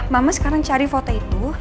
mama sekarang cari foto itu